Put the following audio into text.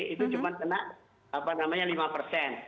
itu cuma kena apa namanya lima persen